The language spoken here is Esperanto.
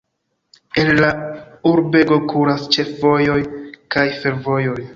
El la urbego kuras ĉefvojoj kaj fervojoj.